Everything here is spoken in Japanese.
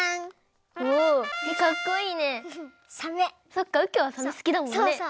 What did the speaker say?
そっかうきょうはサメすきだもんね。